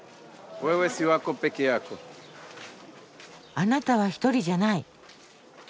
「あなたは一人じゃない」。